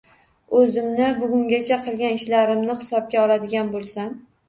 O‘zimni, bugungacha qilgan ishlarimni hisobga oladigan bo‘lsam